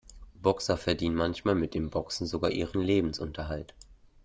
Boxer verdienen manchmal mit dem Boxen sogar ihren Lebensunterhalt.